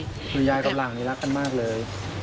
คือยายกับหลังนี้รักกันมากเลย